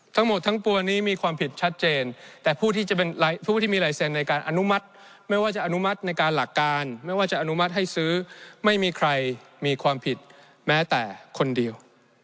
ทั้งหมดทั้งปวงนี้มีความผิดชัดเจนแต่ผู้ที่จะเป็นผู้ที่มีลายเซ็นต์ในการอนุมัติไม่ว่าจะอนุมัติในการหลักการไม่ว่าจะอนุมัติให้ซื้อไม่มีใครมีความผิดแม้แต่คนเดียว